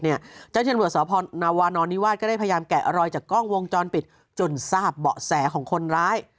ท่านจริงจังหวัดสม์หัวสตนาวานอนนิวาสก็ได้พยายามแกะรอยจากกล้องโวงจองปิดจนทราบเบาะแสของคนร้าย